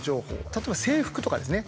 例えば制服とかですね